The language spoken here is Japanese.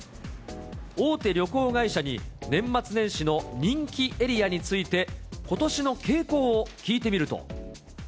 大手旅行会社に、年末年始の人気エリアについて、ことしの傾向を聞いてみると。